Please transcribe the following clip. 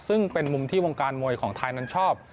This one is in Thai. ซึ่งเป็นมุมที่วงการมวยของไทยนั้นชอบ